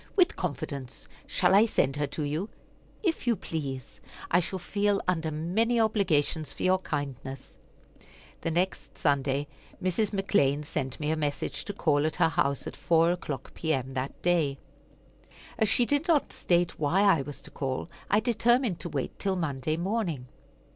"With confidence. Shall I send her to you?" "If you please. I shall feel under many obligations for your kindness." The next Sunday Mrs. McClean sent me a message to call at her house at four o'clock P.M., that day. As she did not state why I was to call, I determined to wait till Monday morning.